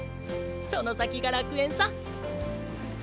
その先が楽園さ。